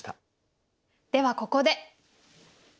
ではここで。